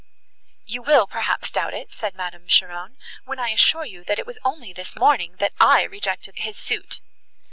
"You will, perhaps, doubt it," said Madame Cheron, "when I assure you, that it was only this morning that I rejected his suit."